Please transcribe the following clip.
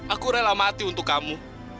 aku rela mati untuk kamu